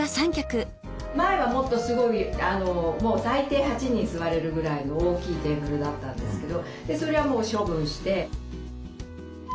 前はもっとすごいもう最低８人座れるぐらいの大きいテーブルだったんですけどそれはもう処分して。